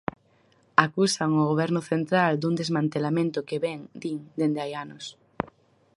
Acusan o Goberno central dun desmantelamento que vén, din, dende hai anos.